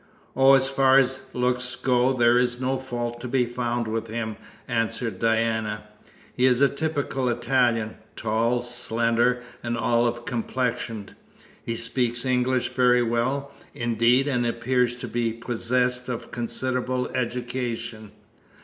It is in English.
"Oh, as far as looks go there is no fault to be found with him," answered Diana. "He is a typical Italian, tall, slender, and olive complexioned. He speaks English very well, indeed, and appears to be possessed of considerable education.